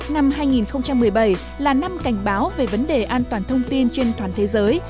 năm hai nghìn một mươi bảy là năm cảnh báo về vấn đề an toàn thông tin trên toàn thế giới